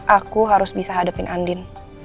aku harus bisa hadepin andien